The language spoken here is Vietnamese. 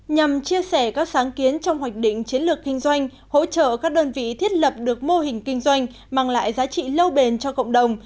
nhằm chia sẻ các sáng kiến trong hoạch định chiến lược kinh doanh hỗ trợ các đơn vị thiết lập được mô hình kinh doanh mang lại giá trị lâu bền cho cộng đồng